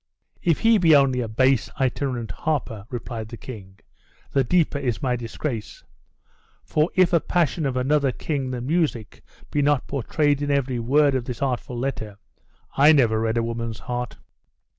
"If he be only a base itinerant harper," replied the king, "the deeper is my disgrace; for, if a passion of another king than music be not portrayed in every word of this artful letter, I never read a woman's heart!"